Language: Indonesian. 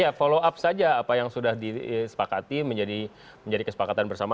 ya follow up saja apa yang sudah disepakati menjadi kesepakatan bersama